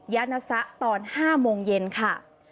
ยานซะตอน๕โมงเย็นค่ะ